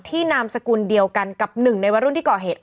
นามสกุลเดียวกันกับหนึ่งในวัยรุ่นที่ก่อเหตุ